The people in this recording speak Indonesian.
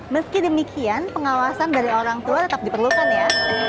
meski demikian pengawasan dari orang tua tetap diperlukan ya